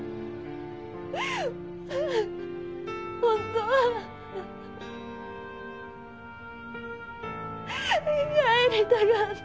本当は帰りたかった！